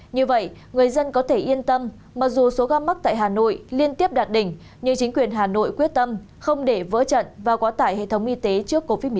như vậy người dân có thể yên tâm mặc dù số ca mắc tại hà nội liên tiếp đạt đỉnh nhưng chính quyền hà nội quyết tâm không để vỡ trận và quá tải hệ thống y tế trước covid một mươi chín